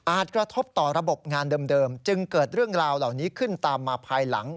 กระทบต่อระบบงานเดิมจึงเกิดเรื่องราวเหล่านี้ขึ้นตามมาภายหลัง